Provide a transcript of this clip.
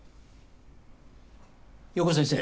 陽子先生